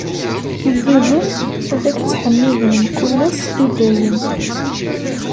Igduden ad k-ttḥemmiden mkul ass, i dayem.